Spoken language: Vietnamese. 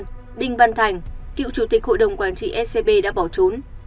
bị cáo nhàn đinh văn thành cựu chủ tịch hội đồng quản trị scb đã bỏ trốn